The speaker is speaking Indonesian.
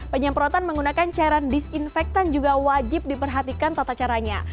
penyemprotan menggunakan cairan disinfektan juga wajib diperhatikan tata caranya